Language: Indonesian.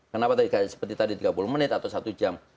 kenapa seperti tadi tiga puluh menit atau satu jam